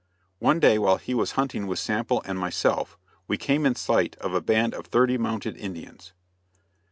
One day while he was hunting with Sample and myself we came in sight of a band of thirty mounted Indians.